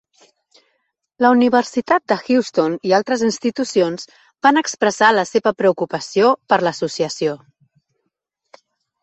La Universitat de Houston i altres institucions van expressar la seva preocupació per l'associació.